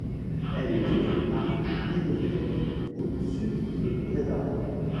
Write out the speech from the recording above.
Elle est née à Ginneken au sud de Bréda.